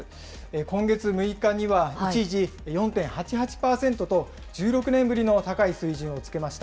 今月６日には一時、４．８８％と、１６年ぶりの高い水準をつけました。